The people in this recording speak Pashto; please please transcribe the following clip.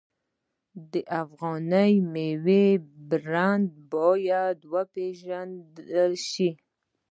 د افغاني میوو برنډ باید وپیژندل شي.